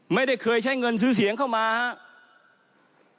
ไม่ได้เคยใช้เงินซื้อเสียงเข้ามาครับ